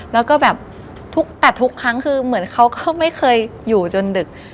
แล้วก็แบบแต่ทุกครั้งคือเหมือนเขาก็ไม่เคยอยู่จนดึก